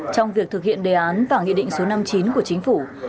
trong việc thực hiện đề án và nghị định số năm mươi chín của chính phủ